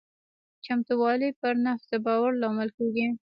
چمتووالی پر نفس د باور لامل کېږي.